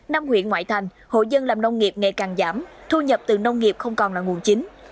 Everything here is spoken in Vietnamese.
năm huyện ngoại thành hộ dân làm nông nghiệp ngày càng giảm thu nhập từ nông nghiệp không còn là nguồn chính